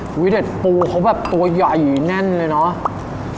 พี่แฟนค่ะแสดงวิเวษปูเขาตัวใหญ่อยู่แน่นเลยเนอะ